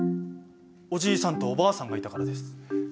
おじいさんとおばあさんがいたからです。